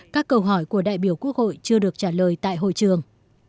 các câu hỏi của đại biểu quốc hội chưa được trả lời tại hội trường